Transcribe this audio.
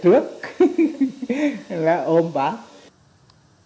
trong khi bác gặp mẹ